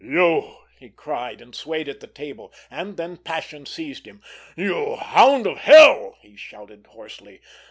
"You!" he cried, and swayed at the table. And then passion seized him. "You hound of hell!" he shouted hoarsely.